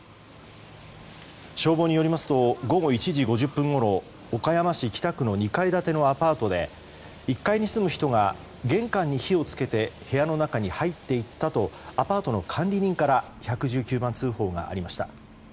消防によりますと午後１時５０分ごろ岡山市北区の２階建てのアパートで１階に住む人が玄関に火を付けて部屋の中に入っていったとアパートの管理人から１１９番通報がありました。